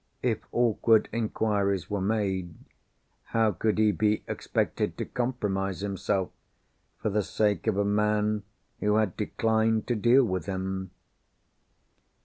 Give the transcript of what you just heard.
If awkward inquiries were made, how could he be expected to compromise himself, for the sake of a man who had declined to deal with him?